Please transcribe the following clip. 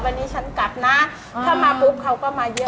วันนี้ฉันกลับนะถ้ามาปุ๊บเขาก็มาเยอะ